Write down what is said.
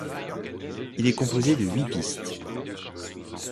Il est composé de huit pistes.